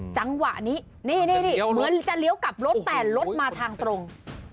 จังหวะนี้นี่เหมือนจะเลี้ยวกลับรถแต่รถมาทางตรง